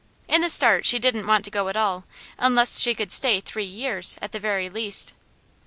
In the start she didn't want to go at all, unless she could stay three years, at the very least.